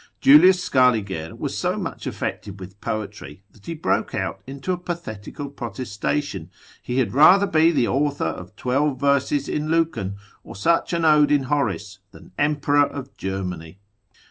Julius Scaliger was so much affected with poetry, that he brake out into a pathetical protestation, he had rather be the author of twelve verses in Lucan, or such an ode in Horace, than emperor of Germany.